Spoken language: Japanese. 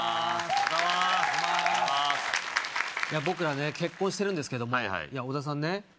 僕らね結婚してるんですけどもはいはいいや小田さんね